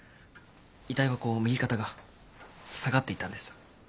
遺体はこう右肩が下がっていたんです。